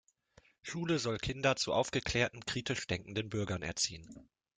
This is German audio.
Schule soll Kinder zu aufgeklärten, kritisch denkenden Bürgern erziehen.